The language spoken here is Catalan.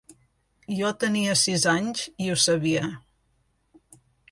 Jo tenia sis anys i ho sabia.